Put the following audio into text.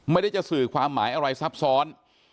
ไม่ได้จะสื่อความหมายอะไรซับซ้อน